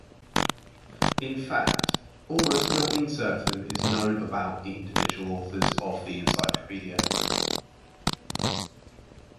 In fact, almost nothing certain is known about the individual authors of the encyclopedia.